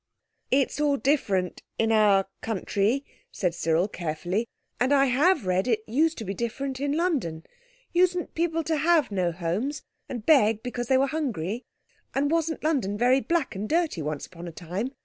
"It's all different in our country," said Cyril carefully; and I have read it used to be different in London. Usedn't people to have no homes and beg because they were hungry? And wasn't London very black and dirty once upon a time?